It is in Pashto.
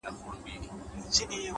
پوهه د انسان ارزښت لا لوړوي،